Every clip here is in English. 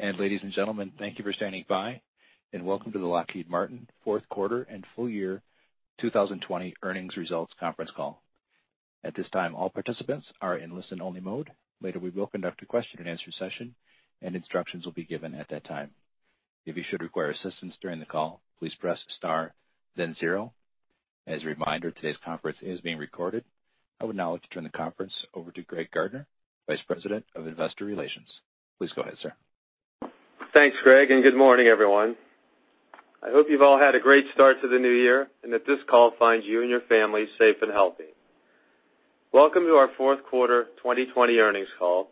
Ladies and gentlemen, thank you for standing by, and welcome to the Lockheed Martin Fourth Quarter and Full Year 2020 Earnings Results Conference Call. At this time, all participants are in listen-only mode. Later, we will conduct a question-and-answer session, and instructions will be given at that time. As a reminder, today's conference is being recorded. I would now like to turn the conference over to Greg Gardner, Vice President of Investor Relations. Please go ahead, sir. Thanks, Greg. Good morning, everyone. I hope you've all had a great start to the new year and that this call finds you and your family safe and healthy. Welcome to our fourth quarter 2020 earnings call,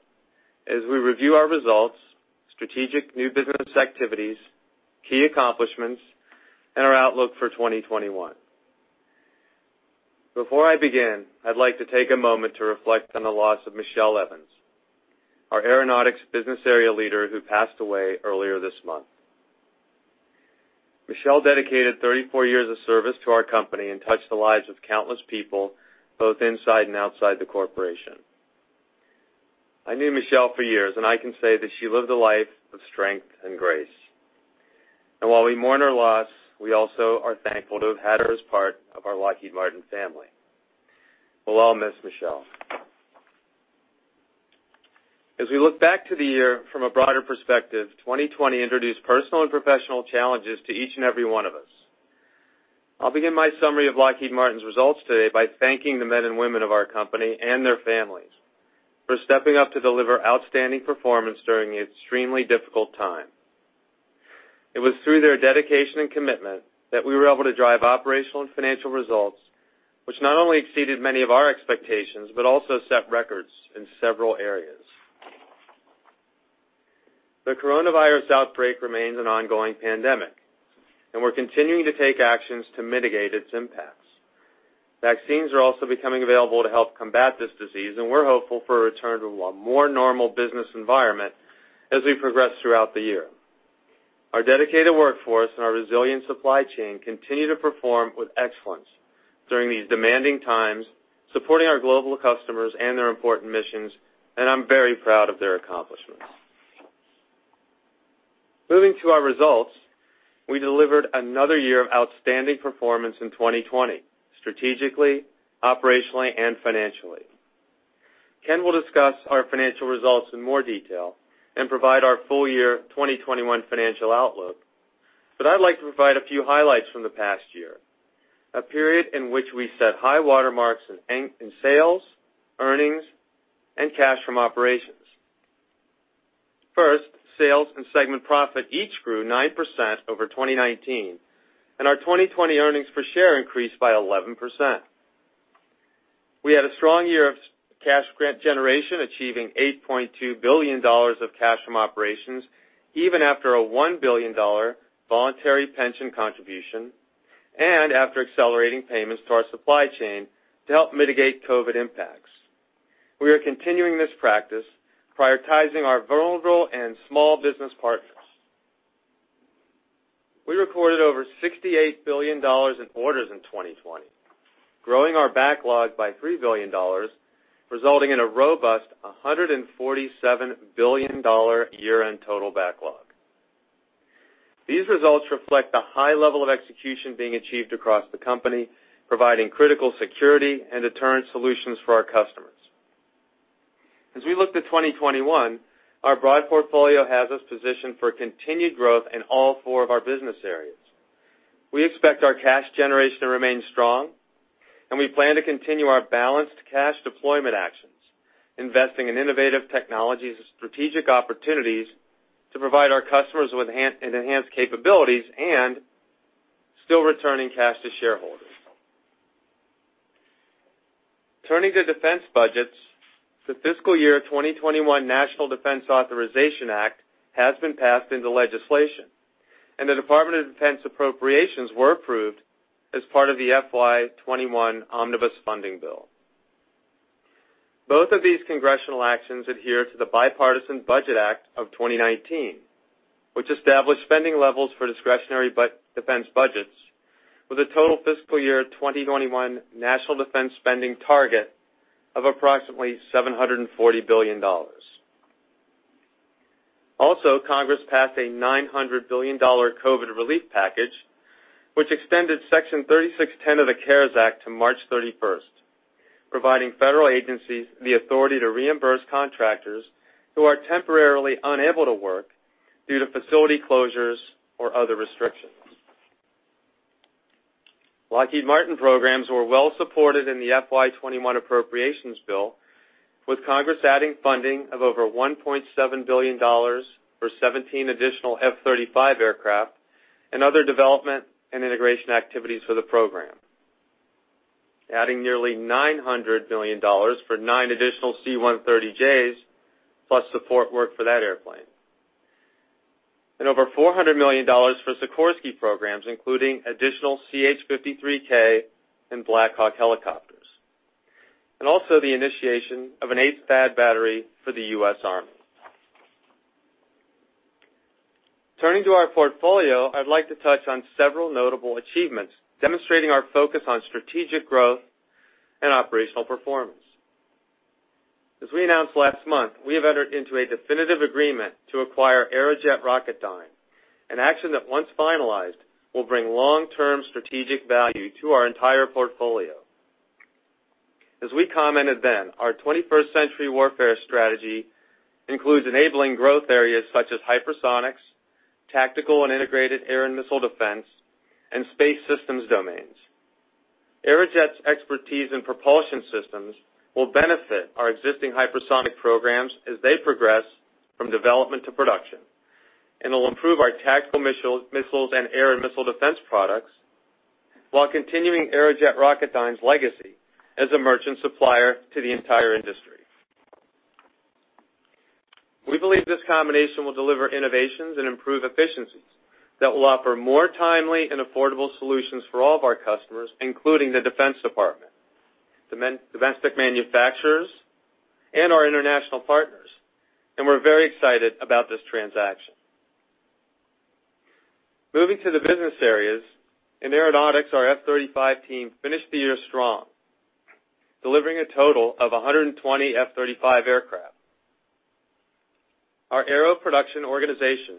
as we review our results, strategic new business activities, key accomplishments, and our outlook for 2021. Before I begin, I'd like to take a moment to reflect on the loss of Michele Evans, our Aeronautics business area leader, who passed away earlier this month. Michele dedicated 34 years of service to our company and touched the lives of countless people, both inside and outside the corporation. I knew Michele for years, and I can say that she lived a life of strength and grace. While we mourn her loss, we also are thankful to have had her as part of our Lockheed Martin family. We'll all miss Michele. As we look back to the year from a broader perspective, 2020 introduced personal and professional challenges to each and every one of us. I'll begin my summary of Lockheed Martin's results today by thanking the men and women of our company and their families for stepping up to deliver outstanding performance during an extremely difficult time. It was through their dedication and commitment that we were able to drive operational and financial results, which not only exceeded many of our expectations, but also set records in several areas. The coronavirus outbreak remains an ongoing pandemic, and we're continuing to take actions to mitigate its impacts. Vaccines are also becoming available to help combat this disease, and we're hopeful for a return to a more normal business environment as we progress throughout the year. Our dedicated workforce and our resilient supply chain continue to perform with excellence during these demanding times, supporting our global customers and their important missions, and I'm very proud of their accomplishments. Moving to our results, we delivered another year of outstanding performance in 2020, strategically, operationally, and financially. Ken will discuss our financial results in more detail and provide our full year 2021 financial outlook. I'd like to provide a few highlights from the past year, a period in which we set high watermarks in sales, earnings, and cash from operations. First, sales and segment profit each grew 9% over 2019, and our 2020 earnings per share increased by 11%. We had a strong year of cash generation, achieving $8.2 billion of cash from operations, even after a $1 billion voluntary pension contribution, and after accelerating payments to our supply chain to help mitigate COVID impacts. We are continuing this practice, prioritizing our vulnerable and small business partners. We recorded over $68 billion in orders in 2020, growing our backlog by $3 billion, resulting in a robust $147 billion year-end total backlog. These results reflect the high level of execution being achieved across the company, providing critical security and deterrent solutions for our customers. As we look to 2021, our broad portfolio has us positioned for continued growth in all four of our business areas. We expect our cash generation to remain strong, and we plan to continue our balanced cash deployment actions, investing in innovative technologies and strategic opportunities to provide our customers with enhanced capabilities and still returning cash to shareholders. Turning to defense budgets, the fiscal year 2021 National Defense Authorization Act has been passed into legislation, and the Department of Defense appropriations were approved as part of the FY 2021 omnibus funding bill. Both of these congressional actions adhere to the Bipartisan Budget Act of 2019, which established spending levels for discretionary defense budgets with a total fiscal year 2021 national defense spending target of approximately $740 billion. Also, Congress passed a $900 billion COVID relief package, which extended Section 3610 of the CARES Act to March 31st, providing federal agencies the authority to reimburse contractors who are temporarily unable to work due to facility closures or other restrictions. Lockheed Martin programs were well supported in the FY 2021 appropriations bill, with Congress adding funding of over $1.7 billion for 17 additional F-35 aircraft and other development and integration activities for the program. Adding nearly $900 million for nine additional C-130Js, plus support work for that airplane. Over $400 million for Sikorsky programs, including additional CH-53K and Black Hawk helicopters, also the initiation of an eighth THAAD battery for the U.S. Army. Turning to our portfolio, I'd like to touch on several notable achievements demonstrating our focus on strategic growth and operational performance. As we announced last month, we have entered into a definitive agreement to acquire Aerojet Rocketdyne, an action that, once finalized, will bring long-term strategic value to our entire portfolio. As we commented then, our 21st Century Warfare strategy includes enabling growth areas such as hypersonics, tactical and integrated air and missile defense, and space systems domains. Aerojet's expertise in propulsion systems will benefit our existing hypersonic programs as they progress from development to production, and will improve our tactical missiles and air and missile defense products while continuing Aerojet Rocketdyne's legacy as a merchant supplier to the entire industry. We believe this combination will deliver innovations and improve efficiencies that will offer more timely and affordable solutions for all of our customers, including the Department of Defense, domestic manufacturers, and our international partners. We're very excited about this transaction. Moving to the business areas. In Aeronautics, our F-35 team finished the year strong, delivering a total of 120 F-35 aircraft. Our Aero production organization,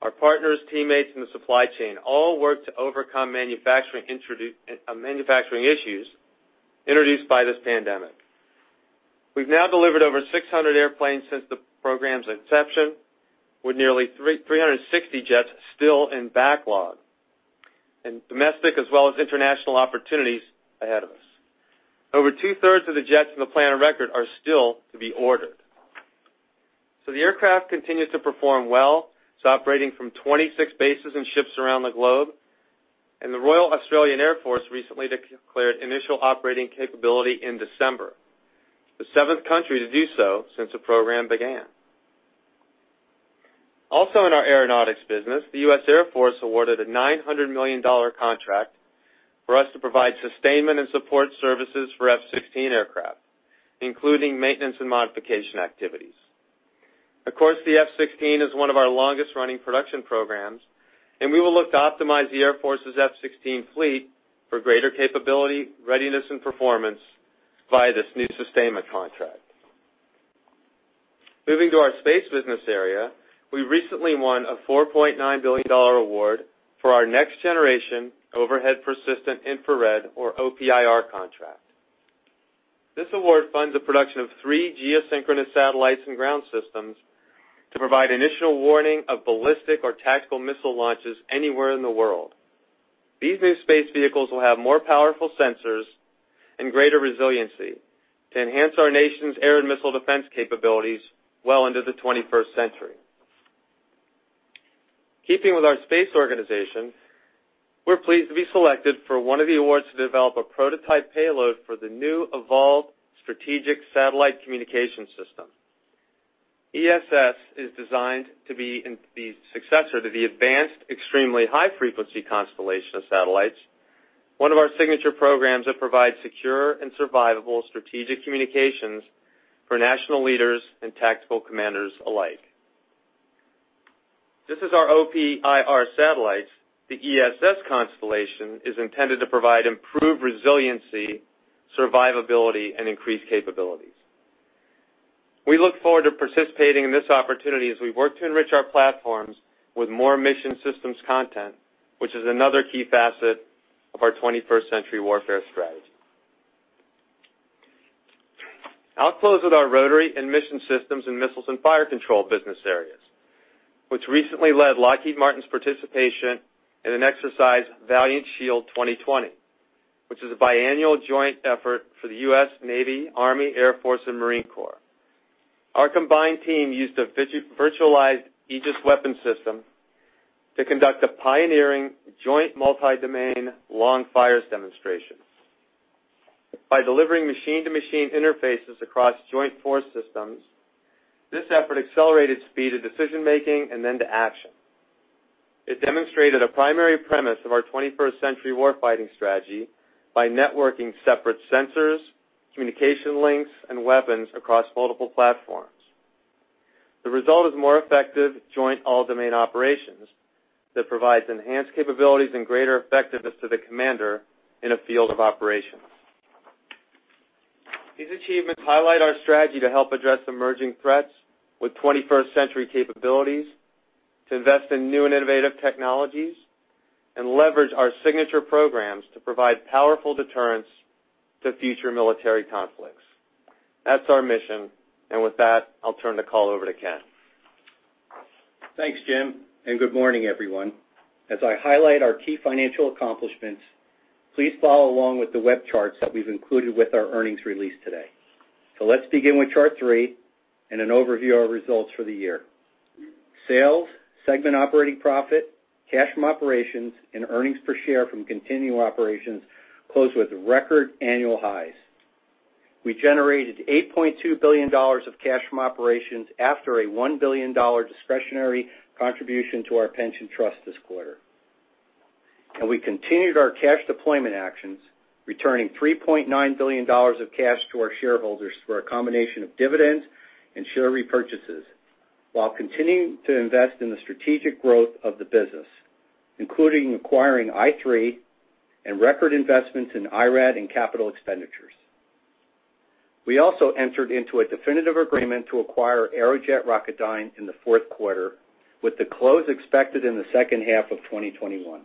our partners, teammates in the supply chain, all worked to overcome manufacturing issues introduced by this pandemic. We've now delivered over 600 airplanes since the program's inception, with nearly 360 jets still in backlog, and domestic as well as international opportunities ahead of us. Over two-thirds of the jets in the plan of record are still to be ordered. The aircraft continue to perform well. It's operating from 26 bases and ships around the globe, and the Royal Australian Air Force recently declared initial operating capability in December, the seventh country to do so since the program began. Also, in our Aeronautics business, the U.S. Air Force awarded a $900 million contract for us to provide sustainment and support services for F-16 aircraft, including maintenance and modification activities. Of course, the F-16 is one of our longest-running production programs, and we will look to optimize the Air Force's F-16 fleet for greater capability, readiness, and performance via this new sustainment contract. Moving to our Space business area, we recently won a $4.9 billion award for our Next-Generation Overhead Persistent Infrared, or OPIR, contract. This award funds the production of three geosynchronous satellites and ground systems to provide initial warning of ballistic or tactical missile launches anywhere in the world. These new space vehicles will have more powerful sensors and greater resiliency to enhance our nation's air and missile defense capabilities well into the 21st century. Keeping with our Space organization, we're pleased to be selected for one of the awards to develop a prototype payload for the new Evolved Strategic Satellite Communications system. ESS is designed to be the successor to the Advanced Extremely High Frequency constellation of satellites, one of our signature programs that provide secure and survivable strategic communications for national leaders and tactical commanders alike. Just as our OPIR satellites, the ESS constellation is intended to provide improved resiliency, survivability, and increased capabilities. We look forward to participating in this opportunity as we work to enrich our platforms with more mission systems content, which is another key facet of our 21st Century Warfare strategy. I'll close with our Rotary and Mission Systems and Missiles and Fire Control business areas, which recently led Lockheed Martin's participation in an exercise, Valiant Shield 2020, which is a biannual joint effort for the U.S. Navy, Army, Air Force, and Marine Corps. Our combined team used a virtualized Aegis Weapon System to conduct a pioneering joint multi-domain long fires demonstration. By delivering machine-to-machine interfaces across joint force systems, this effort accelerated speed of decision making and then to action. It demonstrated a primary premise of our 21st Century war fighting strategy by networking separate sensors, communication links, and weapons across multiple platforms. The result is more effective joint all-domain operations that provides enhanced capabilities and greater effectiveness to the commander in a field of operations. These achievements highlight our strategy to help address emerging threats with 21st Century capabilities, to invest in new and innovative technologies, and leverage our signature programs to provide powerful deterrence to future military conflicts. That's our mission. With that, I'll turn the call over to Ken. Thanks, Jim. Good morning, everyone. As I highlight our key financial accomplishments, please follow along with the web charts that we've included with our earnings release today. Let's begin with chart three and an overview of our results for the year. Sales, segment operating profit, cash from operations, and earnings per share from continuing operations closed with record annual highs. We generated $8.2 billion of cash from operations after a $1 billion discretionary contribution to our pension trust this quarter. We continued our cash deployment actions, returning $3.9 billion of cash to our shareholders through a combination of dividends and share repurchases while continuing to invest in the strategic growth of the business, including acquiring i3 and record investments in IRAD and capital expenditures. We also entered into a definitive agreement to acquire Aerojet Rocketdyne in the fourth quarter, with the close expected in the second half of 2021.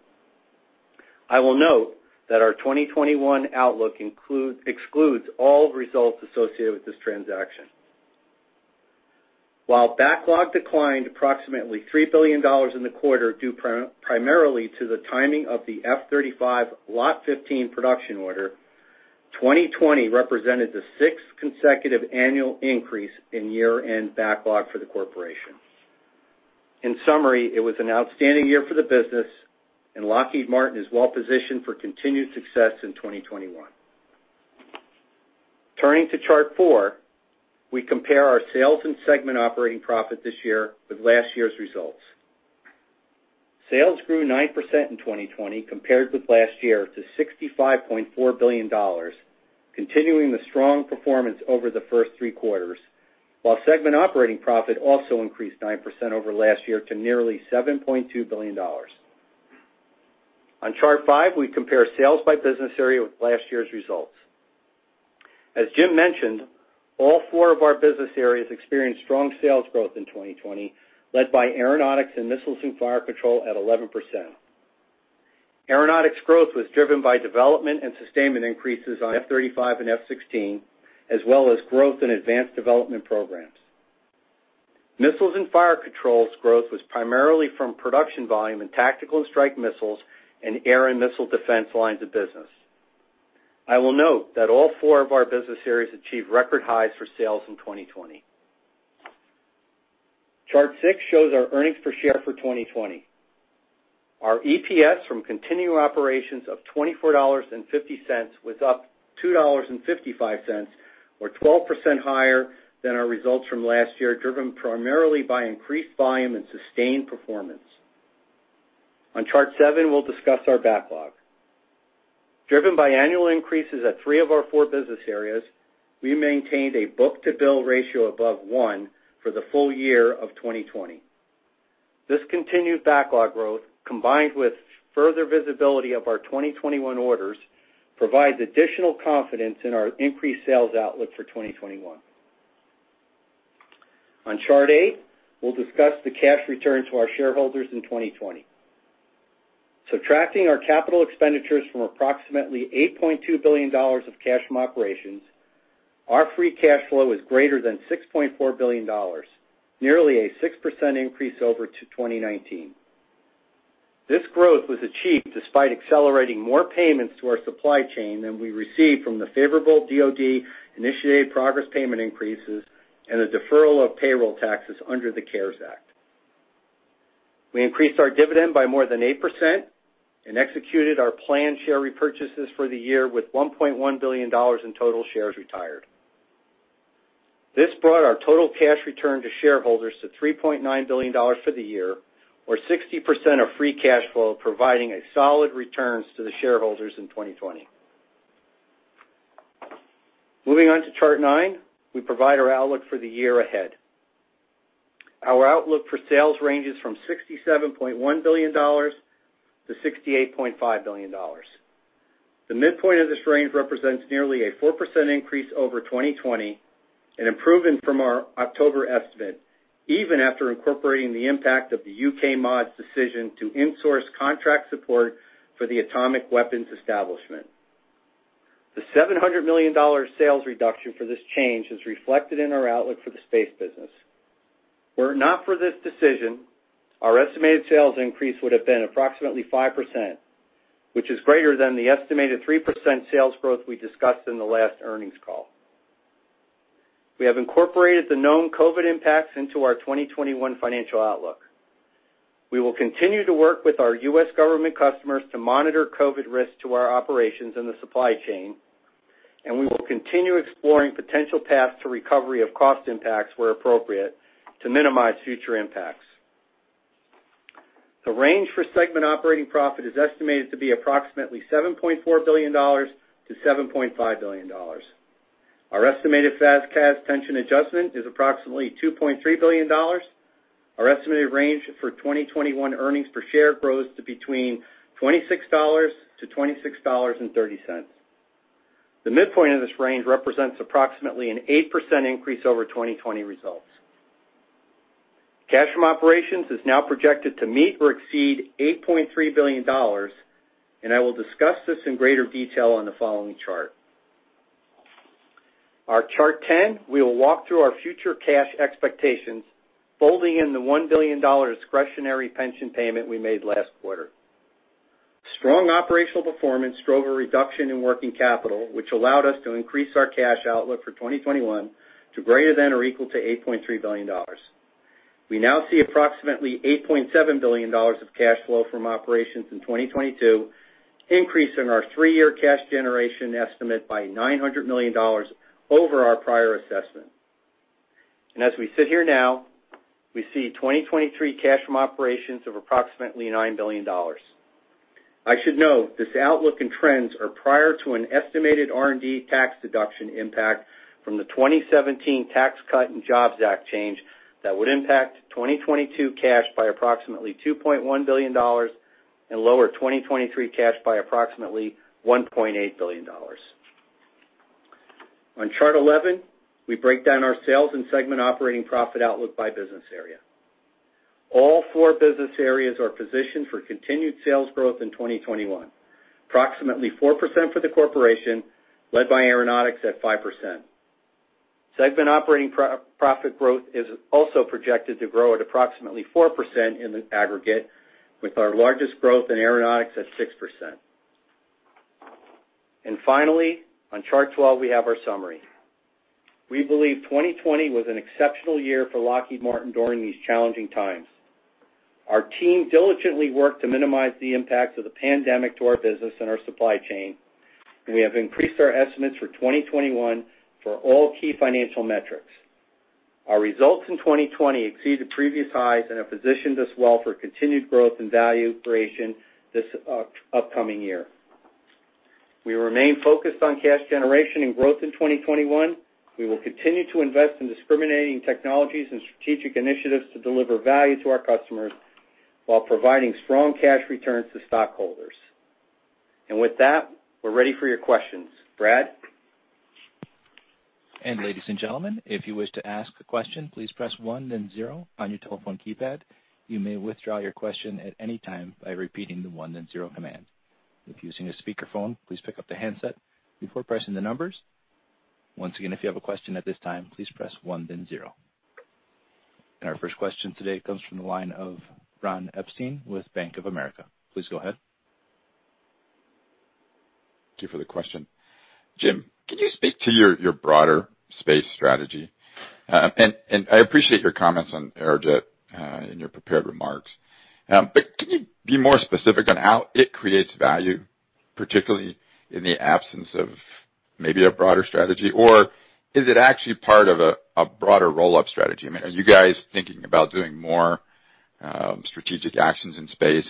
I will note that our 2021 outlook excludes all results associated with this transaction. While backlog declined approximately $3 billion in the quarter, due primarily to the timing of the F-35 Lot 15 production order, 2020 represented the sixth consecutive annual increase in year-end backlog for the corporation. In summary, it was an outstanding year for the business, and Lockheed Martin is well positioned for continued success in 2021. Turning to Chart four, we compare our sales and segment operating profit this year with last year's results. Sales grew 9% in 2020 compared with last year to $65.4 billion, continuing the strong performance over the first three quarters, while segment operating profit also increased 9% over last year to nearly $7.2 billion. On Chart five, we compare sales by business area with last year's results. As Jim mentioned, all four of our business areas experienced strong sales growth in 2020, led by Aeronautics and Missiles and Fire Control at 11%. Aeronautics growth was driven by development and sustainment increases on F-35 and F-16, as well as growth in advanced development programs. Missiles and Fire Control's growth was primarily from production volume in tactical strike missiles and air and missile defense lines of business. I will note that all four of our business areas achieved record highs for sales in 2020. Chart six shows our earnings per share for 2020. Our EPS from continuing operations of $24.50 was up $2.55 or 12% higher than our results from last year, driven primarily by increased volume and sustained performance. On Chart seven, we'll discuss our backlog. Driven by annual increases at three of our four business areas, we maintained a book-to-bill ratio above one for the full year of 2020. This continued backlog growth, combined with further visibility of our 2021 orders, provides additional confidence in our increased sales outlook for 2021. On Chart eight, we'll discuss the cash return to our shareholders in 2020. Subtracting our capital expenditures from approximately $8.2 billion of cash from operations, our free cash flow is greater than $6.4 billion, nearly a 6% increase over to 2019. This growth was achieved despite accelerating more payments to our supply chain than we received from the favorable DoD-initiated progress payment increases and the deferral of payroll taxes under the CARES Act. We increased our dividend by more than 8% and executed our planned share repurchases for the year with $1.1 billion in total shares retired. This brought our total cash return to shareholders to $3.9 billion for the year, or 60% of free cash flow, providing a solid returns to the shareholders in 2020. Moving on to Chart nine, we provide our outlook for the year ahead. Our outlook for sales ranges from $67.1 billion-$68.5 billion. The midpoint of this range represents nearly a 4% increase over 2020, an improvement from our October estimate, even after incorporating the impact of the U.K. MoD's decision to insource contract support for the Atomic Weapons Establishment. The $700 million sales reduction for this change is reflected in our outlook for the space business. Were it not for this decision, our estimated sales increase would have been approximately 5%, which is greater than the estimated 3% sales growth we discussed in the last earnings call. We have incorporated the known COVID impacts into our 2021 financial outlook. We will continue to work with our U.S. government customers to monitor COVID risk to our operations in the supply chain. We will continue exploring potential paths to recovery of cost impacts where appropriate to minimize future impacts. The range for segment operating profit is estimated to be approximately $7.4 billion-$7.5 billion. Our estimated FAS/CAS pension adjustment is approximately $2.3 billion. Our estimated range for 2021 earnings per share grows to $26-$26.30. The midpoint of this range represents approximately an 8% increase over 2020 results. Cash from operations is now projected to meet or exceed $8.3 billion. I will discuss this in greater detail on the following chart. Our Chart 10, we will walk through our future cash expectations, folding in the $1 billion discretionary pension payment we made last quarter. Strong operational performance drove a reduction in working capital, which allowed us to increase our cash outlook for 2021 to greater than or equal to $8.3 billion. We now see approximately $8.7 billion of cash flow from operations in 2022, increasing our three-year cash generation estimate by $900 million over our prior assessment. As we sit here now, we see 2023 cash from operations of approximately $9 billion. I should note, this outlook and trends are prior to an estimated R&D tax deduction impact from the 2017 Tax Cuts and Jobs Act change that would impact 2022 cash by approximately $2.1 billion and lower 2023 cash by approximately $1.8 billion. On chart 11, we break down our sales and segment operating profit outlook by business area. All four business areas are positioned for continued sales growth in 2021. Approximately 4% for the corporation, led by Aeronautics at 5%. Segment operating profit growth is also projected to grow at approximately 4% in the aggregate, with our largest growth in Aeronautics at 6%. Finally, on chart 12, we have our summary. We believe 2020 was an exceptional year for Lockheed Martin during these challenging times. Our team diligently worked to minimize the impact of the pandemic to our business and our supply chain. We have increased our estimates for 2021 for all key financial metrics. Our results in 2020 exceed the previous highs and have positioned us well for continued growth and value creation this upcoming year. We remain focused on cash generation and growth in 2021. We will continue to invest in discriminating technologies and strategic initiatives to deliver value to our customers while providing strong cash returns to stockholders. With that, we're ready for your questions. Brad? Our first question today comes from the line of Ron Epstein with Bank of America. Please go ahead. Thank you for the question. Jim, can you speak to your broader space strategy? I appreciate your comments on Aerojet in your prepared remarks. Can you be more specific on how it creates value, particularly in the absence of maybe a broader strategy? Is it actually part of a broader roll-up strategy? Are you guys thinking about doing more strategic actions in space,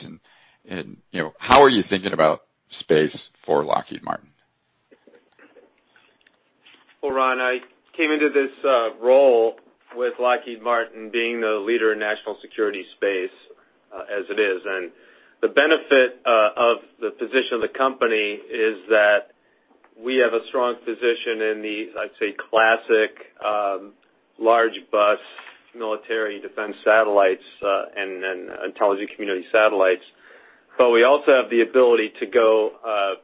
and how are you thinking about space for Lockheed Martin? Well, Ron, I came into this role with Lockheed Martin being the leader in national security space as it is. The benefit of the position of the company is that we have a strong position in the, I'd say, classic, large bus military defense satellites and intelligence community satellites. We also have the ability to go down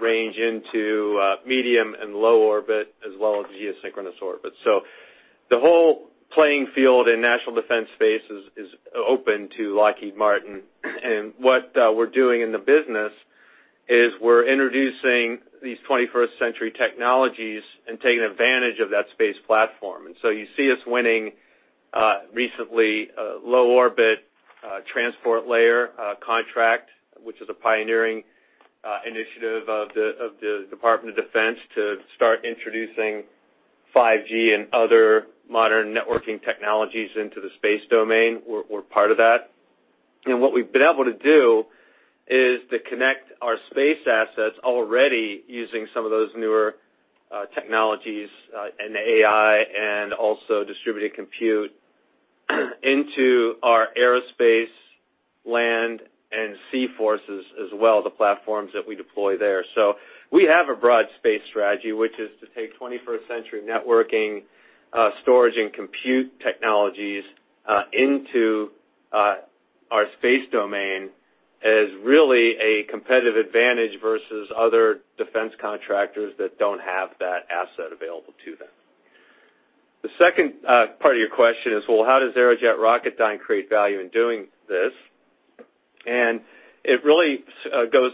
range into medium and low orbit as well as geosynchronous orbit. The whole playing field in national defense space is open to Lockheed Martin. What we're doing in the business is we're introducing these 21st century technologies and taking advantage of that space platform. You see us winning, recently, a low orbit transport layer contract, which is a pioneering initiative of the Department of Defense to start introducing 5G and other modern networking technologies into the space domain. We're part of that. What we've been able to do is to connect our space assets already using some of those newer technologies and AI and also distributed compute into our aerospace, land, and sea forces as well, the platforms that we deploy there. We have a broad space strategy, which is to take 21st century networking, storage, and compute technologies into our space domain as really a competitive advantage versus other defense contractors that don't have that asset available to them. The second part of your question is, well, how does Aerojet Rocketdyne create value in doing this? It really goes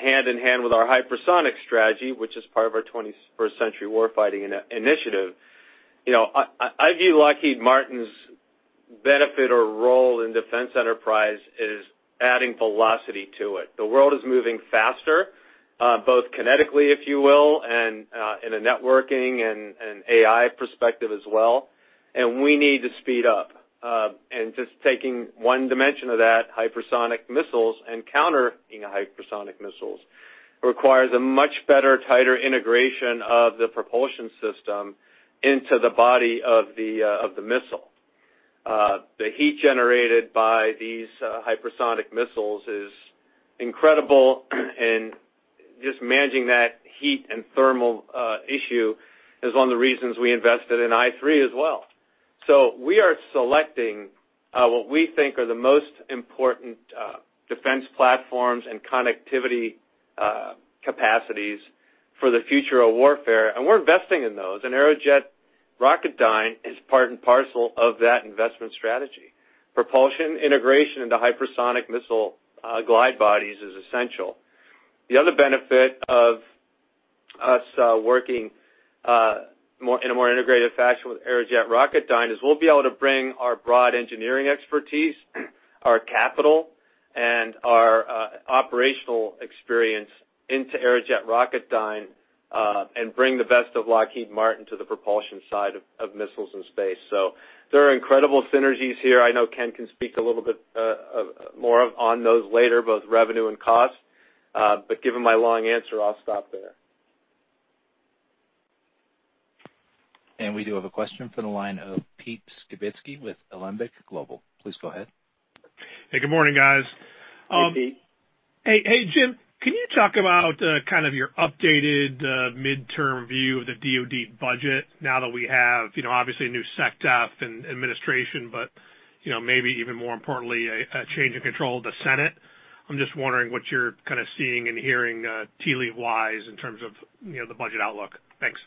hand in hand with our hypersonic strategy, which is part of our 21st Century Warfighting Initiative. I view Lockheed Martin's benefit or role in defense enterprise is adding velocity to it. The world is moving faster, both kinetically, if you will, and in a networking and AI perspective as well. We need to speed up. Just taking one dimension of that, hypersonic missiles and countering hypersonic missiles requires a much better, tighter integration of the propulsion system into the body of the missile. The heat generated by these hypersonic missiles is incredible, and just managing that heat and thermal issue is one of the reasons we invested in i3 as well. We are selecting what we think are the most important defense platforms and connectivity capacities for the future of warfare, and we're investing in those. Aerojet Rocketdyne is part and parcel of that investment strategy. Propulsion integration into hypersonic missile glide bodies is essential. The other benefit of us working in a more integrated fashion with Aerojet Rocketdyne is we'll be able to bring our broad engineering expertise, our capital, Our operational experience into Aerojet Rocketdyne, and bring the best of Lockheed Martin to the propulsion side of missiles and space. There are incredible synergies here. I know Ken can speak a little bit more on those later, both revenue and cost. Given my long answer, I'll stop there. We do have a question from the line of Pete Skibitski with Alembic Global. Please go ahead. Hey, good morning, guys. Hey, Pete. Hey, Jim, can you talk about kind of your updated midterm view of the DoD budget now that we have, obviously, a new SECDEF and administration, but maybe even more importantly, a change in control of the Senate? I'm just wondering what you're kind of seeing and hearing tea leaf wise in terms of the budget outlook. Thanks.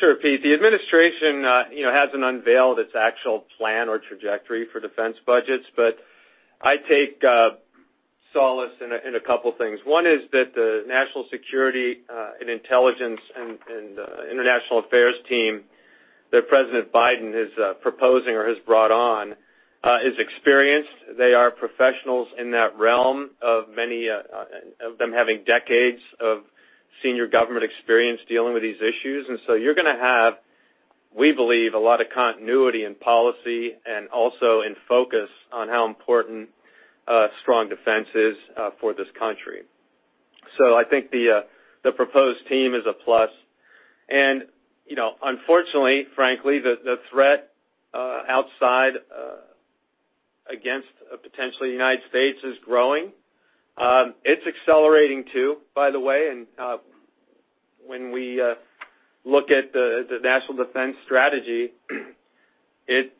Sure, Pete. The administration hasn't unveiled its actual plan or trajectory for defense budgets, but I take solace in a couple things. One is that the national security and intelligence and international affairs team that President Biden is proposing or has brought on, is experienced. They are professionals in that realm of many of them having decades of senior government experience dealing with these issues. You're going to have, we believe, a lot of continuity in policy and also in focus on how important a strong defense is for this country. I think the proposed team is a plus. Unfortunately, frankly, the threat outside against potentially United States is growing. It's accelerating too, by the way. When we look at the National Defense Strategy, it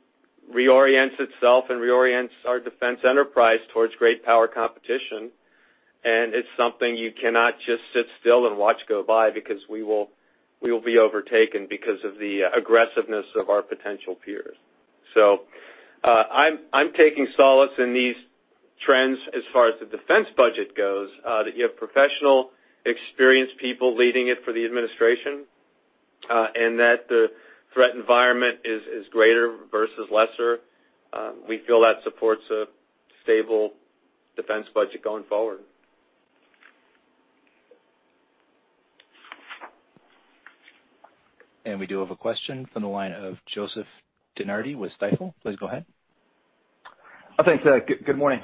reorients itself and reorients our defense enterprise towards great power competition, and it's something you cannot just sit still and watch go by because we will be overtaken because of the aggressiveness of our potential peers. I'm taking solace in these trends as far as the defense budget goes, that you have professional, experienced people leading it for the administration, and that the threat environment is greater versus lesser. We feel that supports a stable defense budget going forward. We do have a question from the line of Joseph DeNardi with Stifel. Please go ahead. Thanks. Good morning. Good morning.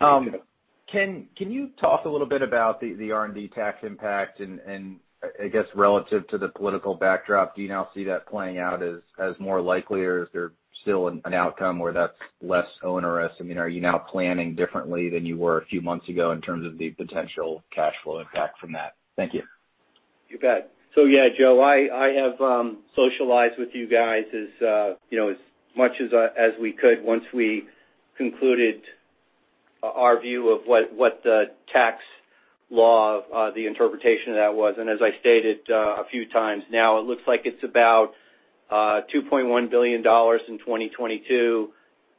Can you talk a little bit about the R&D tax impact and I guess, relative to the political backdrop, do you now see that playing out as more likely, or is there still an outcome where that's less onerous? Are you now planning differently than you were a few months ago in terms of the potential cash flow impact from that? Thank you. You bet. Yeah, Joe, I have socialized with you guys as much as we could once we concluded our view of what the tax law, the interpretation of that was. As I stated a few times now, it looks like it's about $2.1 billion in 2022,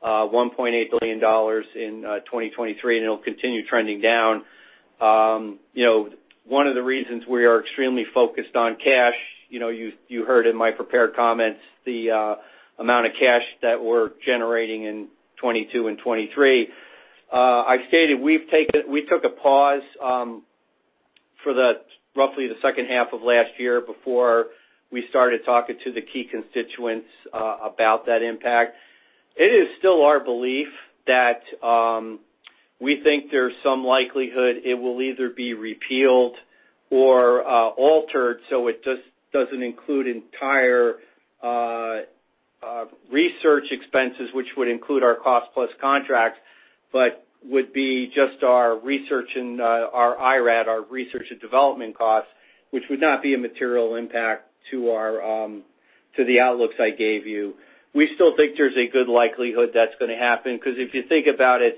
$1.8 billion in 2023, and it'll continue trending down. One of the reasons we are extremely focused on cash, you heard in my prepared comments, the amount of cash that we're generating in 2022 and 2023. I've stated we took a pause for roughly the second half of last year before we started talking to the key constituents about that impact. It is still our belief that we think there's some likelihood it will either be repealed or altered, so it just doesn't include entire research expenses, which would include our cost-plus contracts, but would be just our research and our IRAD, our research and development costs, which would not be a material impact to the outlooks I gave you. We still think there's a good likelihood that's going to happen because if you think about it,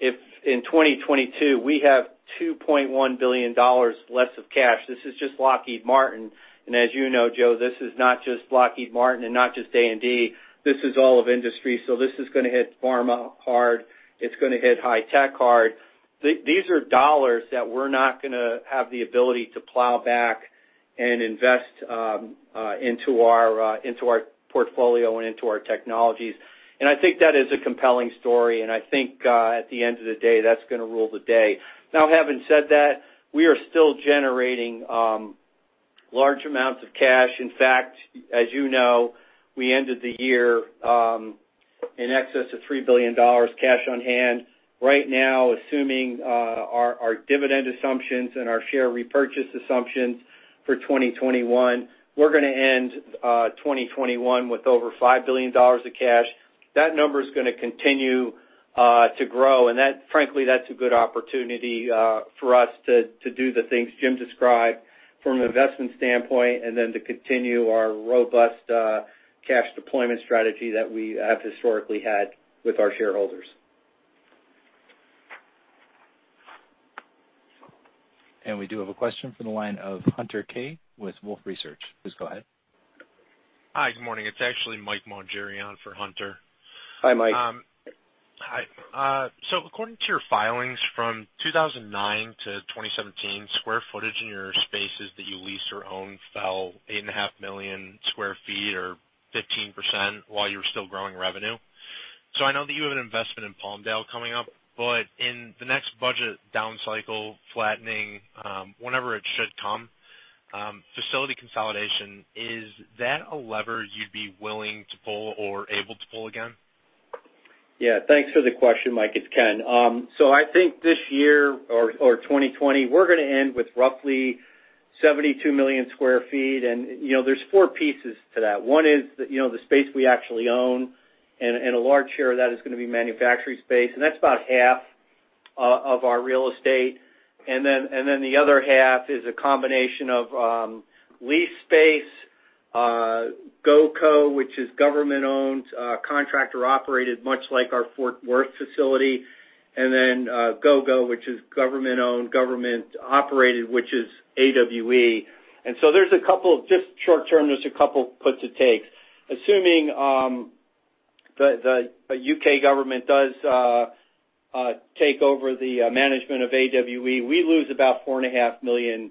if in 2022 we have $2.1 billion less of cash, this is just Lockheed Martin. As you know, Joe, this is not just Lockheed Martin and not just A&D. This is all of industry. This is going to hit pharma hard. It's going to hit high tech hard. These are dollars that we're not going to have the ability to plow back and invest into our portfolio and into our technologies. I think that is a compelling story, and I think at the end of the day, that's going to rule the day. Now, having said that, we are still generating large amounts of cash. In fact, as you know, we ended the year in excess of $3 billion cash on hand. Right now, assuming our dividend assumptions and our share repurchase assumptions for 2021, we're going to end 2021 with over $5 billion of cash. That number's going to continue to grow, and frankly, that's a good opportunity for us to do the things Jim described from an investment standpoint, and then to continue our robust cash deployment strategy that we have historically had with our shareholders. We do have a question from the line of Hunter Keay with Wolfe Research. Please go ahead. Hi, good morning. It's actually Mike Maugeri for Hunter. Hi, Mike. Hi. According to your filings from 2009-2017, square footage in your spaces that you leased or owned fell 8.5 million sq ft or 15% while you were still growing revenue. I know that you have an investment in Palmdale coming up, but in the next budget down cycle flattening, whenever it should come, facility consolidation, is that a lever you'd be willing to pull or able to pull again? Yeah. Thanks for the question, Mike. It's Ken. I think this year or 2020, we're going to end with roughly 72 million square feet. There's four pieces to that. One is the space we actually own, and a large share of that is going to be manufacturing space, and that's about half of our real estate. The other half is a combination of leased space, GOCO, which is government-owned, contractor-operated, much like our Fort Worth facility, and then GOGO, which is government-owned, government-operated, which is AWE. Just short term, there's a couple puts and takes. Assuming the U.K. government does take over the management of AWE, we lose about four and a half million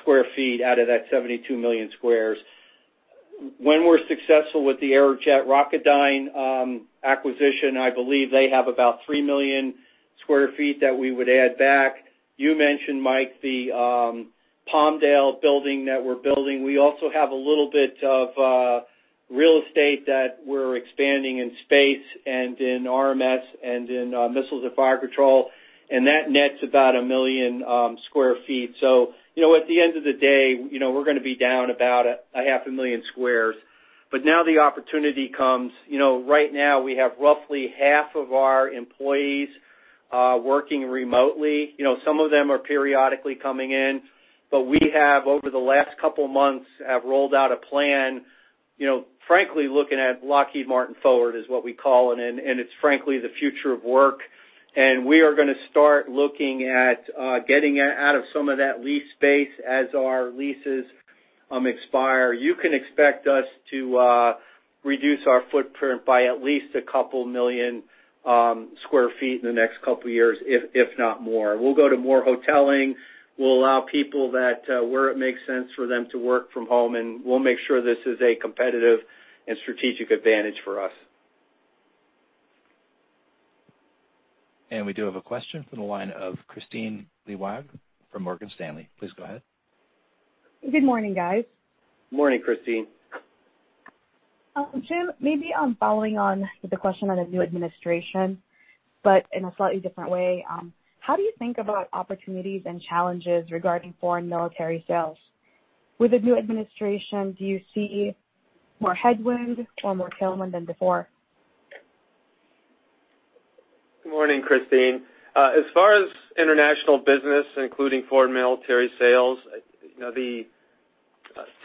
square feet out of that 72 million square feet. When we're successful with the Aerojet Rocketdyne acquisition, I believe they have about three million square feet that we would add back. You mentioned, Mike, the Palmdale building that we're building. We also have a little bit of real estate that we're expanding in space and in RMS and in Missiles and Fire Control, that nets about 1 million sq ft. At the end of the day, we're going to be down about half a million sq ft. Now the opportunity comes. Right now, we have roughly half of our employees working remotely. Some of them are periodically coming in. We have, over the last couple of months, rolled out a plan, frankly, looking at Lockheed Martin Forward is what we call it's frankly the future of work. We are going to start looking at getting out of some of that lease space as our leases expire. You can expect us to reduce our footprint by at least a couple million square feet in the next couple of years, if not more. We'll go to more hoteling. We'll allow people that where it makes sense for them to work from home, we'll make sure this is a competitive and strategic advantage for us. We do have a question from the line of Kristine Liwag from Morgan Stanley. Please go ahead. Good morning, guys. Morning, Kristine. Jim, maybe following on with the question on a new administration, but in a slightly different way. How do you think about opportunities and challenges regarding Foreign Military Sales? With the new administration, do you see more headwind or more tailwind than before? Good morning, Kristine. As far as international business, including foreign military sales, the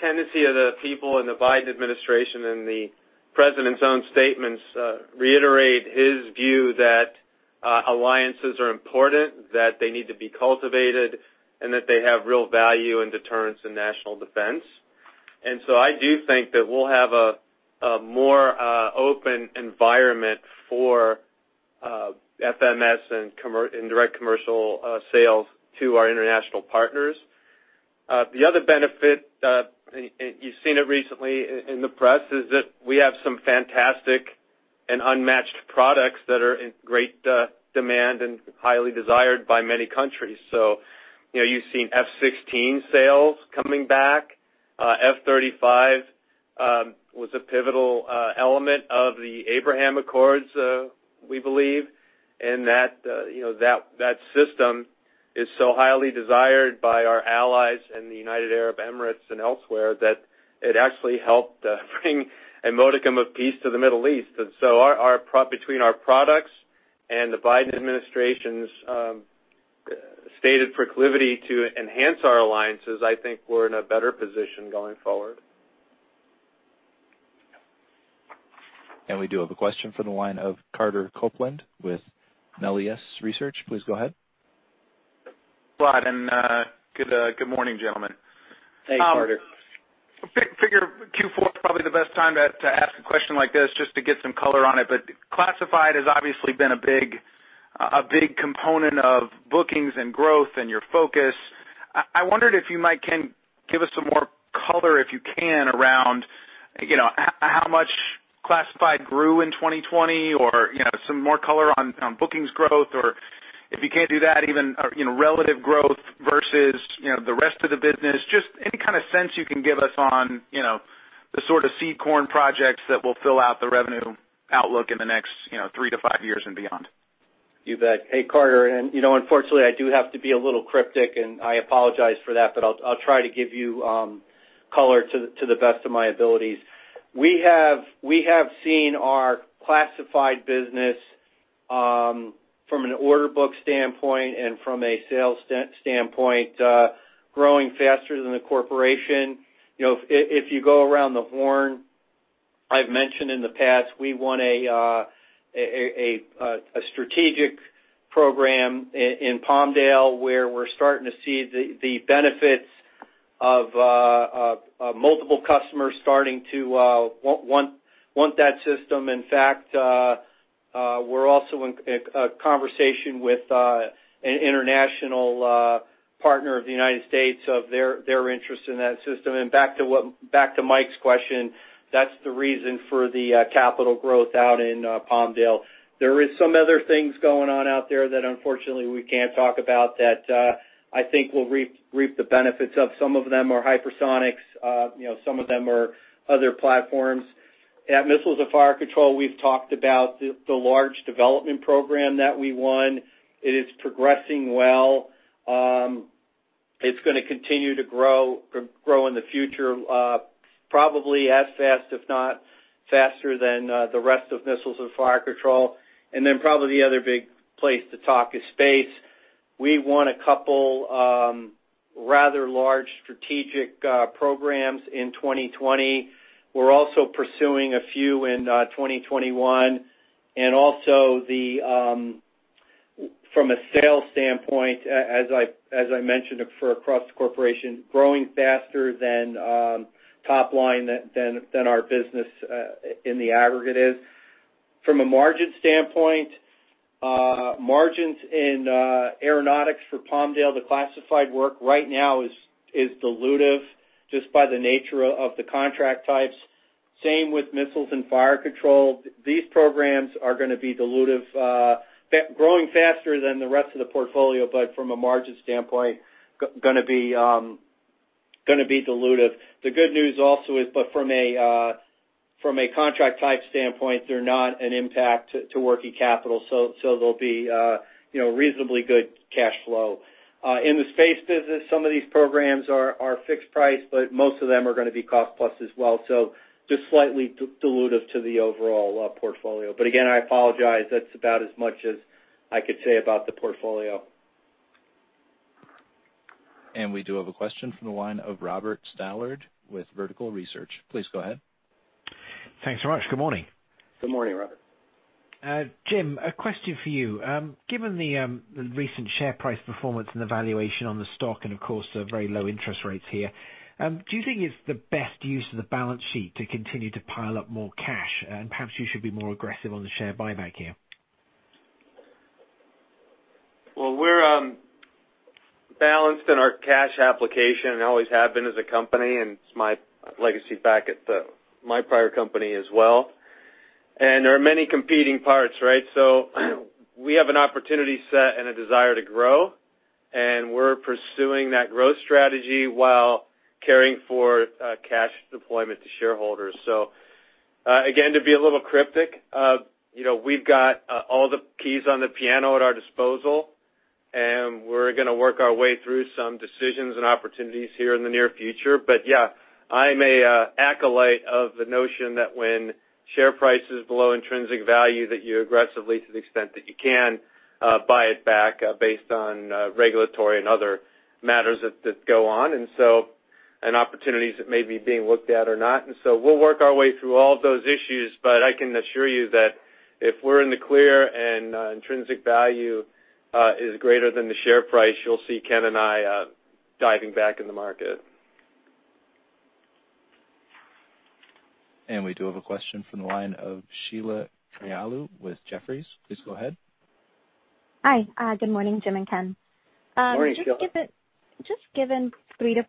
tendency of the people in the Biden administration and the president's own statements reiterate his view that alliances are important, that they need to be cultivated, and that they have real value in deterrence in national defense. I do think that we'll have a more open environment for FMS and indirect commercial sales to our international partners. The other benefit, you've seen it recently in the press, is that we have some fantastic and unmatched products that are in great demand and highly desired by many countries. You've seen F-16 sales coming back. F-35 was a pivotal element of the Abraham Accords, we believe, and that system is so highly desired by our allies in the United Arab Emirates and elsewhere that it actually helped bring a modicum of peace to the Middle East. Between our products and the Biden administration's stated proclivity to enhance our alliances, I think we're in a better position going forward. We do have a question from the line of Carter Copeland with Melius Research. Please go ahead. Go ahead, good morning, gentlemen. Thanks, Carter. Figure Q4 is probably the best time to ask a question like this just to get some color on it. Classified has obviously been a big component of bookings and growth and your focus. I wondered if you might, Ken, give us some more color, if you can, around how much classified grew in 2020 or some more color on bookings growth. If you can't do that, even relative growth versus the rest of the business. Just any kind of sense you can give us on the sort of seed corn projects that will fill out the revenue outlook in the next three to five years and beyond. You bet. Hey, Carter. Unfortunately, I do have to be a little cryptic, and I apologize for that, but I'll try to give you color to the best of my abilities. We have seen our classified business, from an order book standpoint and from a sales standpoint, growing faster than the corporation. If you go around the horn, I've mentioned in the past, we won a strategic program in Palmdale, where we're starting to see the benefits of multiple customers starting to want that system. In fact, we're also in a conversation with an international partner of the United States of their interest in that system. Back to Mike's question, that's the reason for the capital growth out in Palmdale. There is some other things going on out there that unfortunately we can't talk about, that I think we'll reap the benefits of. Some of them are hypersonics, some of them are other platforms. At Missiles & Fire Control, we've talked about the large development program that we won. It is progressing well. It's going to continue to grow in the future, probably as fast, if not faster than, the rest of Missiles & Fire Control. Probably the other big place to talk is space. We won a couple rather large strategic programs in 2020. We're also pursuing a few in 2021. From a sales standpoint, as I mentioned for across the corporation, growing faster than top line, than our business in the aggregate is. From a margin standpoint, margins in Aeronautics for Palmdale, the classified work right now is dilutive just by the nature of the contract types. Same with Missiles & Fire Control. These programs are going to be dilutive, growing faster than the rest of the portfolio, from a margin standpoint, going to be dilutive. The good news also is, from a contract type standpoint, they're not an impact to working capital. They'll be reasonably good cash flow. In the space business, some of these programs are fixed price, most of them are going to be cost plus as well. Just slightly dilutive to the overall portfolio. Again, I apologize, that's about as much as I could say about the portfolio. We do have a question from the line of Robert Stallard with Vertical Research. Please go ahead. Thanks so much. Good morning. Good morning, Robert. Jim, a question for you. Given the recent share price performance and the valuation on the stock and, of course, the very low interest rates here, do you think it's the best use of the balance sheet to continue to pile up more cash? Perhaps you should be more aggressive on the share buyback here. Well, we're balanced in our cash application, and always have been as a company, and it's my legacy back at my prior company as well. There are many competing parts, right? We have an opportunity set and a desire to grow, and we're pursuing that growth strategy while caring for cash deployment to shareholders. Again, to be a little cryptic, we've got all the keys on the piano at our disposal, and we're going to work our way through some decisions and opportunities here in the near future. Yeah, I'm a acolyte of the notion that when share price is below intrinsic value, that you aggressively, to the extent that you can, buy it back based on regulatory and other matters that go on. Opportunities that may be being looked at or not. We'll work our way through all of those issues, but I can assure you that if we're in the clear and intrinsic value is greater than the share price, you'll see Ken and I diving back in the market. We do have a question from the line of Sheila Kahyaoglu with Jefferies. Please go ahead. Hi. Good morning, Jim and Ken. Morning, Sheila. Just given 3%-4%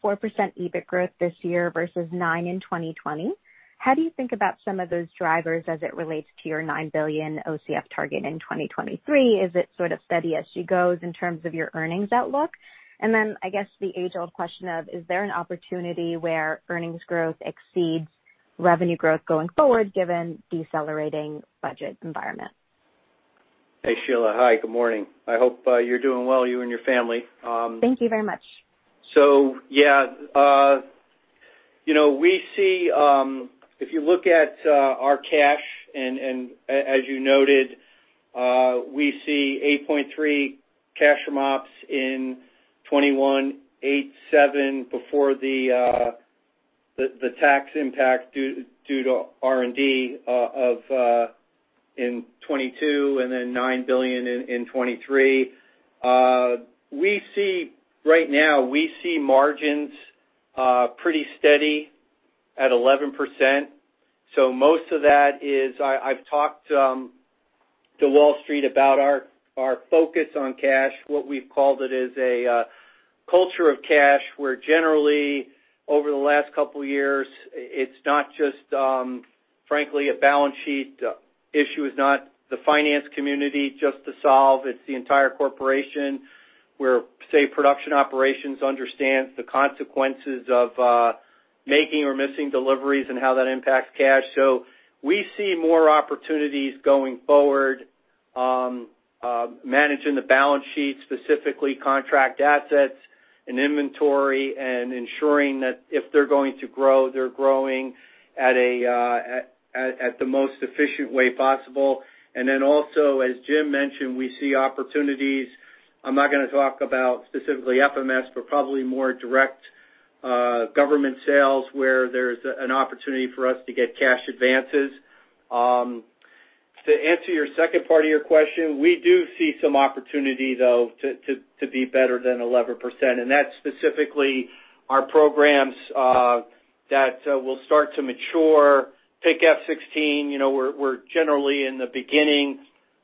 EBIT growth this year versus 9% in 2020, how do you think about some of those drivers as it relates to your $9 billion OCF target in 2023? Is it sort of steady as she goes in terms of your earnings outlook? I guess the age-old question of, is there an opportunity where earnings growth exceeds revenue growth going forward given decelerating budget environment? Hey, Sheila. Hi, good morning. I hope you're doing well, you and your family. Thank you very much. Yeah. If you look at our cash, and as you noted, we see $8.3 billion cash from ops in 2021, $8.7 billion before the tax impact due to R&D in 2022, and then $9 billion in 2023. Right now, we see margins pretty steady at 11%. Most of that is I've talked to Wall Street about our focus on cash. What we've called it is a culture of cash, where generally, over the last couple of years, it's not just, frankly, a balance sheet issue, it's not the finance community just to solve, it's the entire corporation, where, say, production operations understands the consequences of making or missing deliveries and how that impacts cash. We see more opportunities going forward, managing the balance sheet, specifically contract assets and inventory, and ensuring that if they're going to grow, they're growing at the most efficient way possible. Also, as Jim mentioned, we see opportunities. I'm not going to talk about specifically FMS, but probably more direct government sales where there's an opportunity for us to get cash advances. To answer your second part of your question, we do see some opportunity, though, to be better than 11%. That's specifically our programs that will start to mature. Take F-16, we're generally in the beginning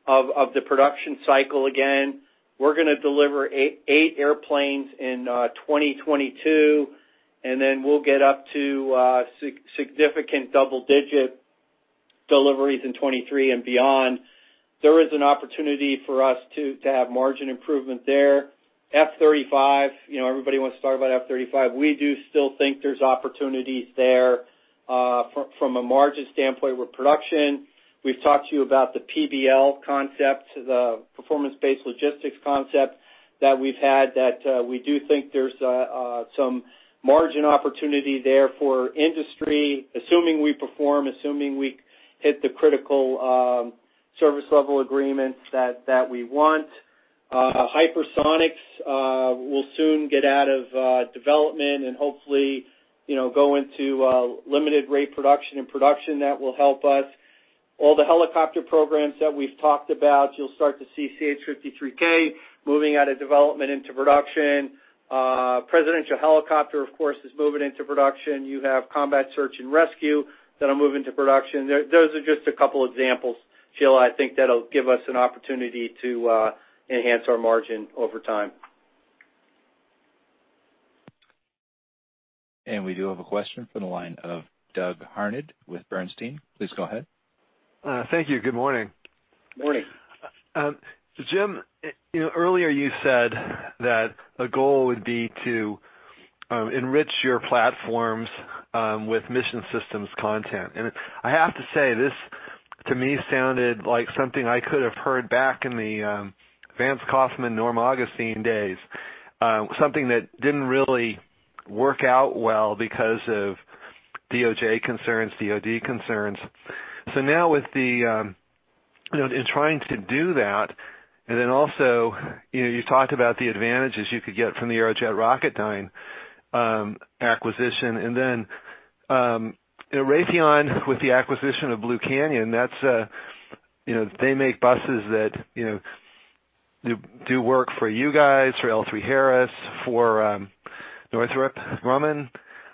of the production cycle again. We're going to deliver eight airplanes in 2022, and then we'll get up to significant double-digit deliveries in 2023 and beyond. There is an opportunity for us to have margin improvement there. F-35. Everybody wants to talk about F-35. We do still think there's opportunities there. From a margin standpoint with production, we've talked to you about the PBL concept, the performance-based logistics concept that we've had, that we do think there's some margin opportunity there for industry, assuming we perform, assuming we hit the critical service level agreements that we want. Hypersonics will soon get out of development and hopefully go into limited rate production and production that will help us. All the helicopter programs that we've talked about, you'll start to see CH-53K moving out of development into production. Presidential helicopter, of course, is moving into production. You have combat search and rescue that'll move into production. Those are just a couple examples, Phil. I think that'll give us an opportunity to enhance our margin over time. We do have a question from the line of Doug Harned with Bernstein. Please go ahead. Thank you. Good morning. Morning. Jim, earlier you said that a goal would be to enrich your platforms with mission systems content. I have to say, this, to me, sounded like something I could have heard back in the Vance Coffman, Norm Augustine days. Something that didn't really work out well because of DOJ concerns, DoD concerns. Now, in trying to do that, and then also, you talked about the advantages you could get from the Aerojet Rocketdyne acquisition, and then Raytheon with the acquisition of Blue Canyon. They make buses that do work for you guys, for L3Harris, for Northrop Grumman.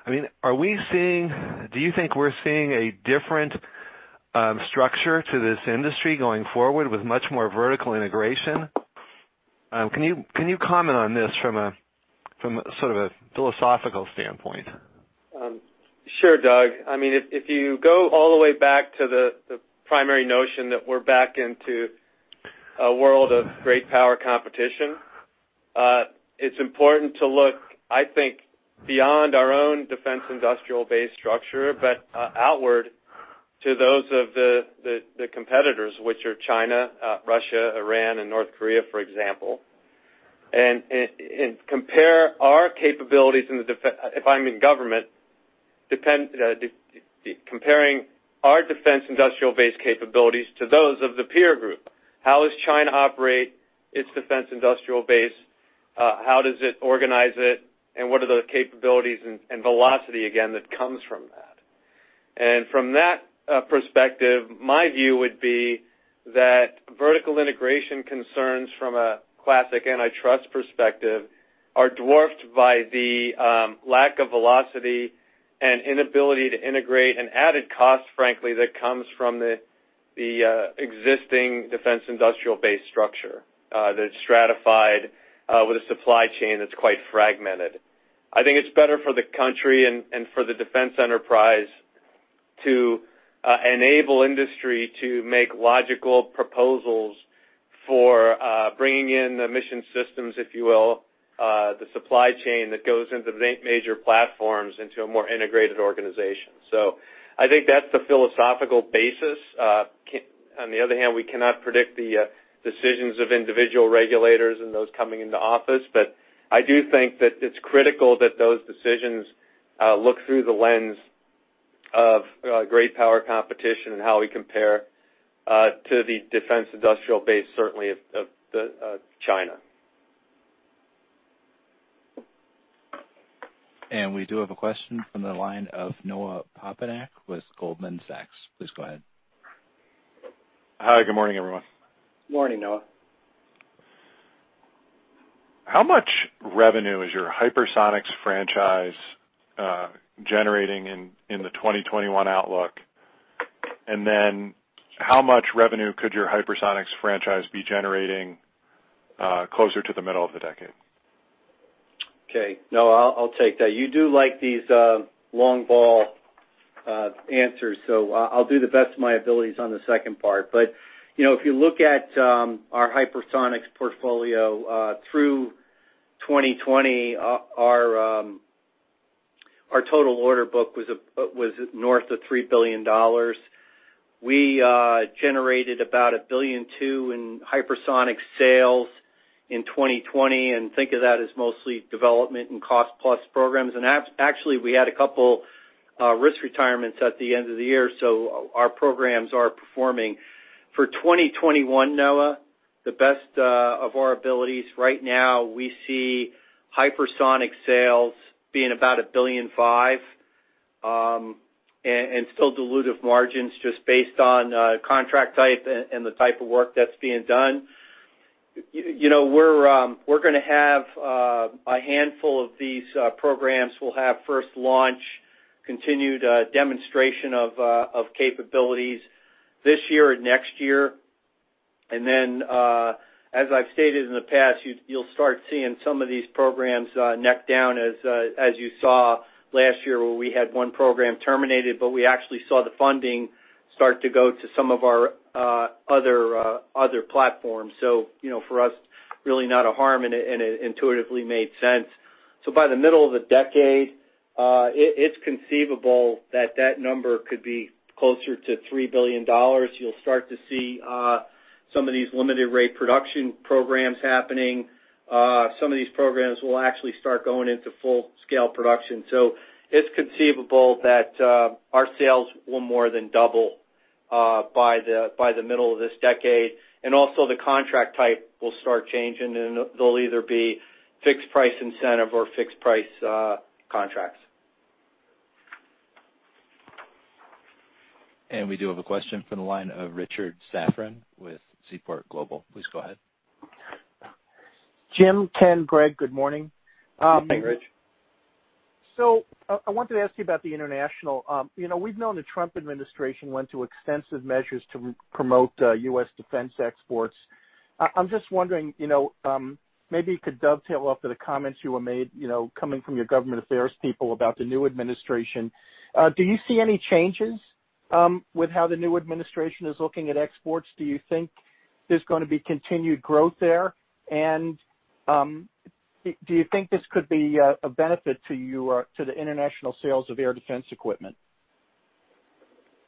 Do you think we're seeing a different structure to this industry going forward with much more vertical integration? Can you comment on this from sort of a philosophical standpoint? Sure, Doug. If you go all the way back to the primary notion that we're back into a world of great power competition, it's important to look, I think, beyond our own defense industrial base structure, but outward to those of the competitors, which are China, Russia, Iran, and North Korea, for example. Compare our capabilities if I'm in government, comparing our defense industrial base capabilities to those of the peer group. How does China operate its defense industrial base? How does it organize it, and what are the capabilities and velocity, again, that comes from that? From that perspective, my view would be that vertical integration concerns from a classic antitrust perspective are dwarfed by the lack of velocity and inability to integrate, and added cost, frankly, that comes from the existing defense industrial base structure, that it's stratified with a supply chain that's quite fragmented. I think it's better for the country and for the defense enterprise to enable industry to make logical proposals for bringing in the mission systems, if you will, the supply chain that goes into major platforms into a more integrated organization. I think that's the philosophical basis. On the other hand, we cannot predict the decisions of individual regulators and those coming into office. I do think that it's critical that those decisions look through the lens of great power competition and how we compare to the defense industrial base, certainly of China. We do have a question from the line of Noah Poponak with Goldman Sachs. Please go ahead. Hi, good morning, everyone. Morning, Noah. How much revenue is your hypersonics franchise generating in the 2021 outlook? How much revenue could your hypersonics franchise be generating closer to the middle of the decade? Okay. Noah, I'll take that. You do like these long ball answers, I'll do the best of my abilities on the second part. If you look at our hypersonics portfolio, through 2020, our total order book was north of $3 billion. We generated about $1.2 billion in hypersonic sales in 2020, think of that as mostly development and cost plus programs. Actually, we had two risk retirements at the end of the year, our programs are performing. For 2021, Noah, the best of our abilities right now, we see hypersonic sales being about $1.5 billion. Still dilutive margins just based on contract type and the type of work that's being done. We're going to have a handful of these programs. We'll have first launch, continued demonstration of capabilities this year or next year. As I've stated in the past, you'll start seeing some of these programs neck down as you saw last year, where we had one program terminated, but we actually saw the funding start to go to some of our other platforms. For us, really not a harm, and it intuitively made sense. By the middle of the decade, it's conceivable that that number could be closer to $3 billion. You'll start to see some of these limited rate production programs happening. Some of these programs will actually start going into full-scale production. It's conceivable that our sales will more than double by the middle of this decade. Also, the contract type will start changing, and they'll either be fixed price incentive or fixed price contracts. We do have a question from the line of Richard Safran with Seaport Global. Please go ahead. Jim, Ken, Greg, good morning. Hey, Rich. I wanted to ask you about the international. We've known the Trump administration went to extensive measures to promote U.S. defense exports. I'm just wondering, maybe you could dovetail off of the comments you have made coming from your government affairs people about the new administration. Do you see any changes with how the new administration is looking at exports? Do you think there's going to be continued growth there? Do you think this could be a benefit to you or to the international sales of air defense equipment?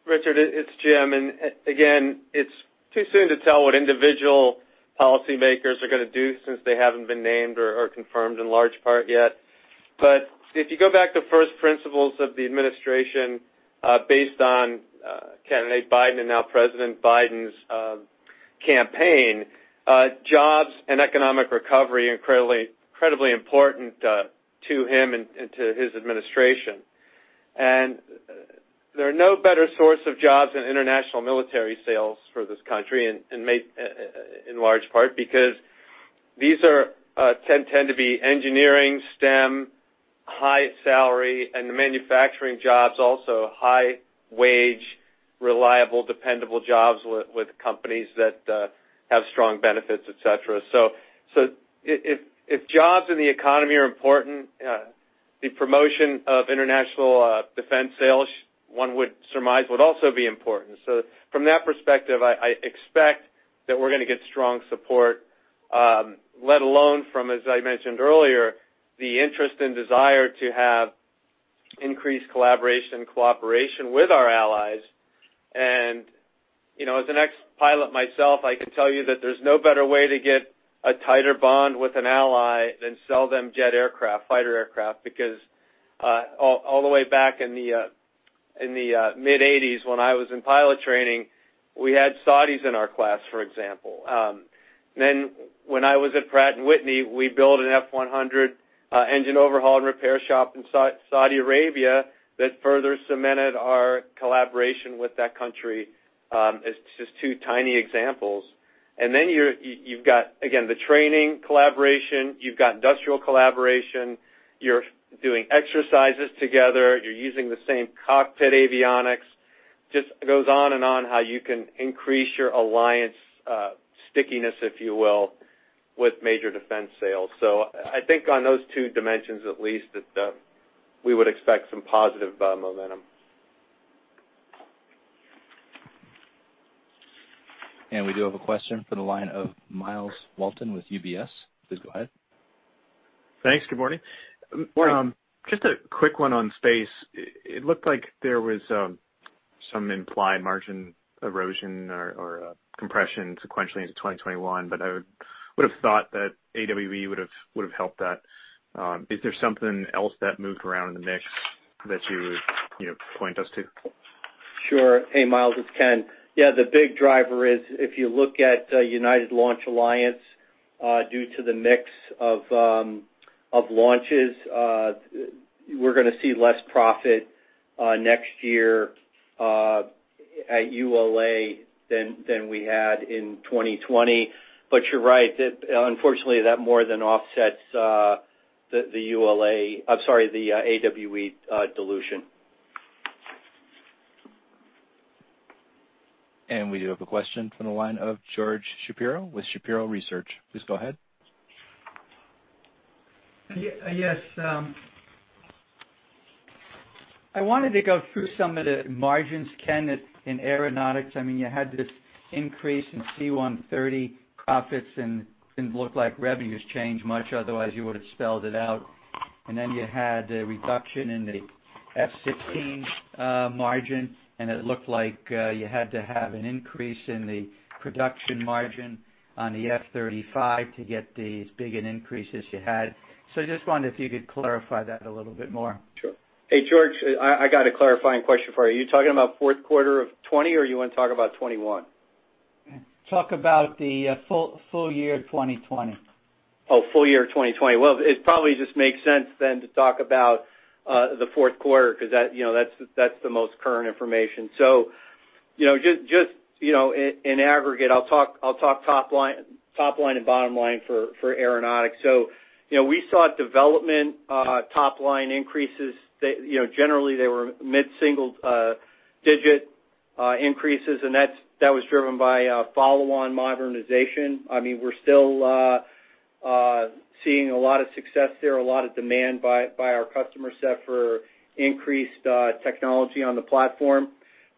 Richard, it's Jim. Again, it's too soon to tell what individual policymakers are going to do since they haven't been named or are confirmed in large part yet. If you go back to first principles of the administration, based on candidate Biden and now President Biden's campaign, jobs and economic recovery are incredibly important to him and to his administration. There are no better source of jobs than international military sales for this country, and in large part because these tend to be engineering, STEM, high salary, and the manufacturing jobs, also high wage, reliable, dependable jobs with companies that have strong benefits, etc. If jobs in the economy are important, the promotion of international defense sales, one would surmise, would also be important. From that perspective, I expect that we're going to get strong support, let alone from, as I mentioned earlier, the interest and desire to have increased collaboration and cooperation with our allies. As an ex-pilot myself, I can tell you that there's no better way to get a tighter bond with an ally than sell them jet aircraft, fighter aircraft. All the way back in the mid-80s when I was in pilot training, we had Saudis in our class, for example. When I was at Pratt & Whitney, we built an F100 engine overhaul and repair shop in Saudi Arabia that further cemented our collaboration with that country. It's just two tiny examples. You've got, again, the training collaboration. You've got industrial collaboration. You're doing exercises together. You're using the same cockpit avionics. Just goes on and on how you can increase your alliance stickiness, if you will, with major defense sales. I think on those two dimensions at least, that we would expect some positive momentum. We do have a question for the line of Myles Walton with UBS. Please go ahead. Thanks. Good morning. Morning. Just a quick one on space. It looked like there was some implied margin erosion or compression sequentially into 2021, but I would've thought that AWE would've helped that. Is there something else that moved around in the mix that you would point us to? Sure. Hey, Myles, it's Ken. Yeah, the big driver is if you look at United Launch Alliance, due to the mix of launches, we're going to see less profit next year at ULA than we had in 2020. You're right. Unfortunately, that more than offsets the AWE dilution. We do have a question from the line of George Shapiro with Shapiro Research. Please go ahead. Yes. I wanted to go through some of the margins, Ken, in Aeronautics. You had this increase in C-130 profits and didn't look like revenues changed much, otherwise you would've spelled it out. Then you had a reduction in the F-16 margin, and it looked like you had to have an increase in the production margin on the F-35 to get these big an increase as you had. I just wondered if you could clarify that a little bit more. Sure. Hey, George, I got a clarifying question for you. Are you talking about fourth quarter of 2020 or you want to talk about 2021? Talk about the full year 2020. Oh, full year 2020. Well, it probably just makes sense to talk about the fourth quarter because that's the most current information. Just in aggregate, I'll talk top line and bottom line for Aeronautics. We saw development top line increases. Generally, they were mid-single-digit increases, that was driven by follow-on modernization. We're still seeing a lot of success there, a lot of demand by our customer set for increased technology on the platform.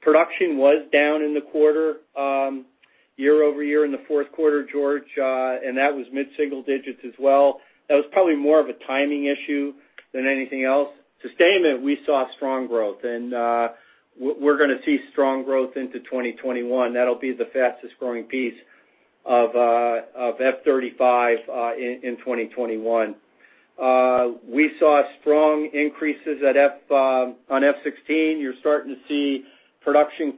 Production was down in the quarter, year-over-year in the fourth quarter, George, that was mid-single digits as well. That was probably more of a timing issue than anything else. Sustainment, we saw strong growth, we're going to see strong growth into 2021. That'll be the fastest-growing piece of F-35 in 2021. We saw strong increases on F-16. You're starting to see production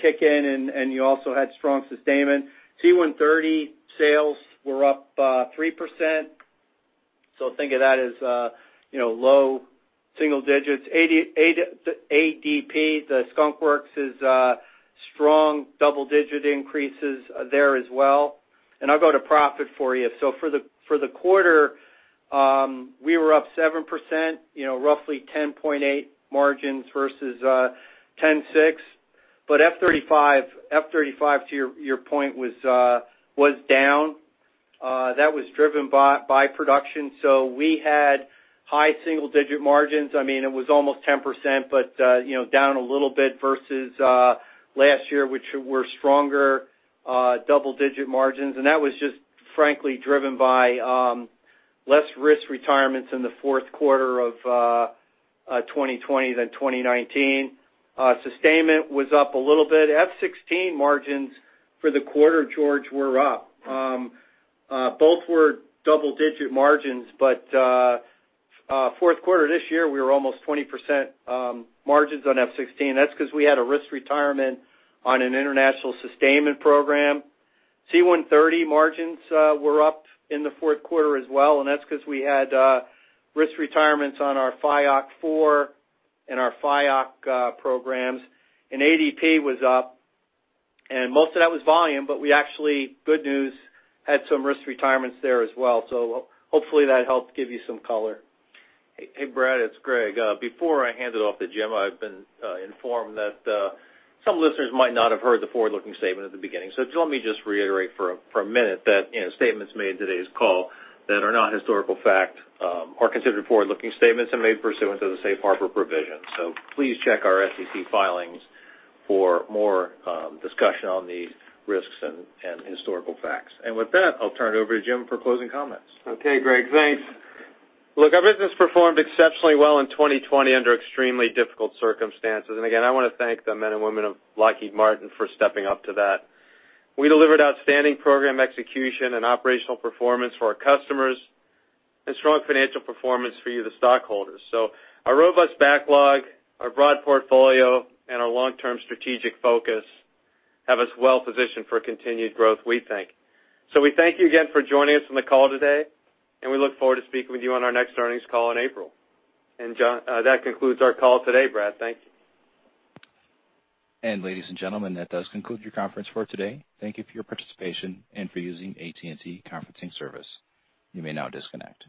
kick in, and you also had strong sustainment. C-130 sales were up 3%, so think of that as low single digits. ADP, the Skunk Works, is strong double-digit increases there as well. I'll go to profit for you. For the quarter, we were up 7%, roughly 10.8 margins versus 10.6. F-35, to your point, was down. That was driven by production. We had high single-digit margins. It was almost 10%, but down a little bit versus last year, which were stronger double-digit margins. That was just, frankly, driven by less risk retirements in the fourth quarter of 2020 than 2019. Sustainment was up a little bit. F-16 margins for the quarter, George, were up. Both were double-digit margins, but fourth quarter this year, we were almost 20% margins on F-16. That's because we had a risk retirement on an international sustainment program. C-130 margins were up in the fourth quarter as well, and that's because we had risk retirements on our FIOC four and our FIOC programs. ADP was up, and most of that was volume, but we actually, good news, had some risk retirements there as well. Hopefully that helped give you some color. Hey, Brad, it's Greg. Before I hand it off to Jim, I've been informed that some listeners might not have heard the forward-looking statement at the beginning. Let me just reiterate for a minute that statements made in today's call that are not historical fact are considered forward-looking statements and made pursuant to the safe harbor provision. Please check our SEC filings for more discussion on the risks and historical facts. With that, I'll turn it over to Jim for closing comments. Okay, Greg, thanks. Our business performed exceptionally well in 2020 under extremely difficult circumstances. Again, I want to thank the men and women of Lockheed Martin for stepping up to that. We delivered outstanding program execution and operational performance for our customers and strong financial performance for you, the stockholders. Our robust backlog, our broad portfolio, and our long-term strategic focus have us well positioned for continued growth, we think. We thank you again for joining us on the call today, and we look forward to speaking with you on our next earnings call in April. That concludes our call today, Brad. Thank you. And ladies and gentlemen, that does conclude your conference for today. Thank you for your participation and for using AT&T conferencing service. You may now disconnect.